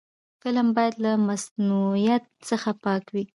فلم باید له مصنوعیت څخه پاک وي